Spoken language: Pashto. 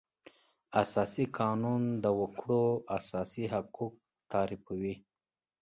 اساسي قانون د وکړو اساسي حقوق تعریفوي.